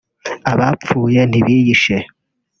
abapfuye ntibiyishe